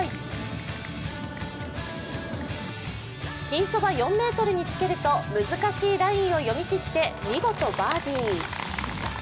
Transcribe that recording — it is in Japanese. ピンそば４ｍにつけると難しいラインを読み切って見事、バーディー。